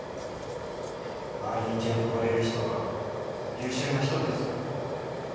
周りに気を配れる人は優秀な人です。